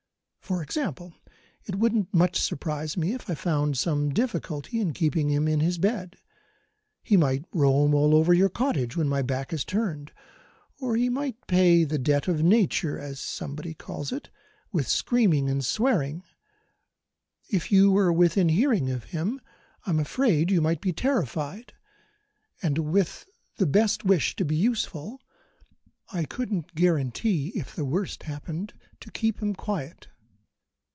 For example, it wouldn't much surprise me if I found some difficulty in keeping him in his bed. He might roam all over your cottage when my back was turned. Or he might pay the debt of Nature as somebody calls it with screaming and swearing. If you were within hearing of him, I'm afraid you might be terrified, and, with the best wish to be useful, I couldn't guarantee (if the worst happened) to keep him quiet.